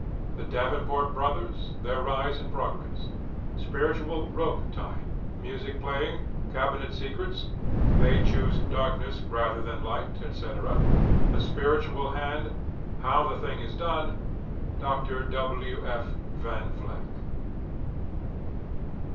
THE DAVENPORT BROTHERS, THEIR RISE AND PROGRESS. SPIRITUAL ROPE TYING. MUSIC PLAYING. CABINET SECRETS. "THEY CHOOSE DARKNESS RATHER THAN LIGHT," ETC. THE SPIRITUAL HAND. HOW THE THING IS DONE. DR. W. F. VAN VLECK.